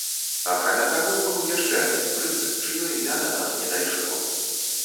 Акрамя таго, быў яшчэ адзін прынц, чыё імя да нас не дайшло.